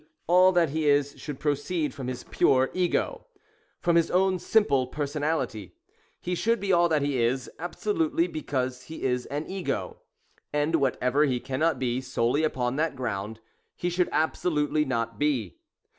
all that he is should proceed from his pure Ego, — from his own simple personality; — he should be all that he is, absolutely because he is an Ego, — and whatever he cannot be solely upon that ground, he should absolutely not be.